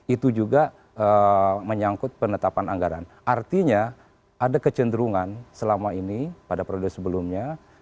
itu juga menyangkut penetapan anggaran artinya ada kecenderungan selama ini pada periode sebelumnya